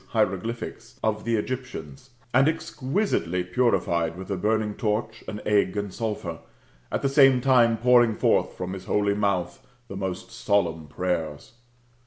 hieroglyphics] of the Egyptians, and exquisitely purified with a burning torch, an egg, and sulphur, at the same time pouring forth from his holy mouth the most solemn prayers.